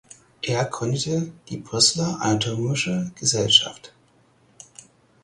Er gründete die Brüsseler anatomische Gesellschaft.